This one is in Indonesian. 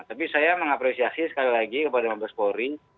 tapi saya mengapresiasi sekali lagi kepada mabes polri